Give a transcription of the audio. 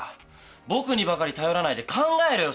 僕にばかり頼らないで考えろよ。